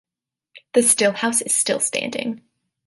The stillhouse is still standing.